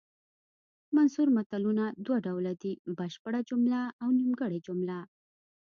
منثور متلونه دوه ډوله دي بشپړه جمله او نیمګړې جمله